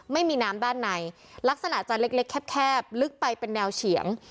ไม่มีน้ำด้านในลักษณะจะเล็กแคบลึกไปเป็นแนวเฉียง